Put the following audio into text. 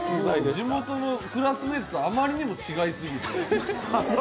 地元のクラスメイトとあまりにも違う。